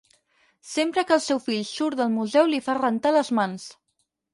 Sempre que el seu fill surt del museu li fa rentar les mans.